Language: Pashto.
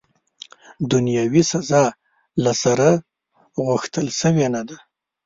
دنیاوي سزا، له سره، غوښتل سوې نه ده.